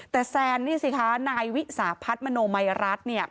แต่แซนนี่สิคะนายวิสาพัฒน์มโนมัยรัฐเนี่ย